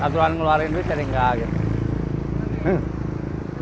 aturan ngeluarin duit jadi enggak gitu